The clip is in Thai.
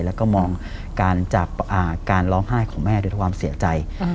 แล้วก็มองการร้องไห้ของแม่ด้วยความเสียใจ